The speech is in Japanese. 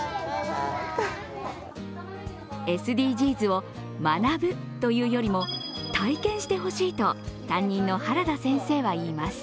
ＳＤＧｓを学ぶというよりも体験してほしいと担任の原田先生は言います。